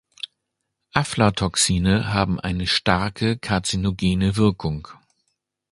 Aflatoxine haben eine starke karzinogene Wirkung.